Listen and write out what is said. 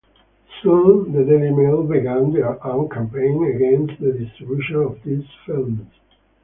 Soon the "Daily Mail" began their own campaign against the distribution of these films.